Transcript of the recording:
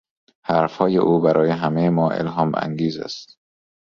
حرفهای او برای همهی ما الهامانگیز است.